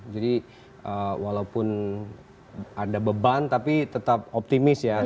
jadi walaupun ada beban tapi tetap optimis ya